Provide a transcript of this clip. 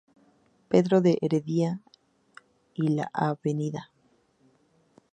Pedro de Heredia y la Av.